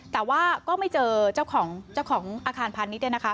แต่ว่าก็ไม่เจอเจ้าของเจ้าของอาคารพาณิชย์เนี่ยนะคะ